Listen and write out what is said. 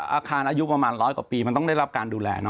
อาคารอายุประมาณร้อยกว่าปีมันต้องได้รับการดูแล